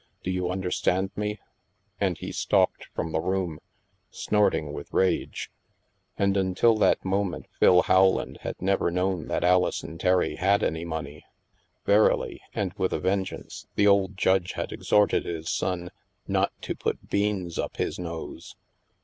Do you understand me ?" And he stalked from the room, snorting with rage. And until that moment, Phil Howland had never known that Alison Terry had any money. Verily, and with a vengeance, the old judge had exhorted his son " not to put beans up his nose."